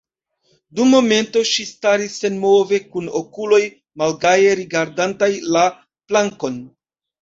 Dum momento ŝi staris senmove, kun okuloj malgaje rigardantaj la plankon.